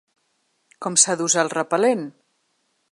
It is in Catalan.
Com s’ha d’usar el repel·lent?